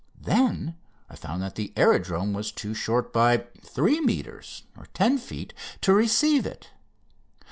Then I found that the aerodrome was too short by 3 metres (10 feet) to receive it.